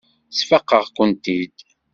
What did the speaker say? Sfaqeɣ-kent-id.